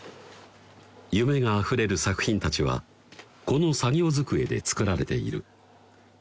夢があふれる作品たちはこの作業机で作られている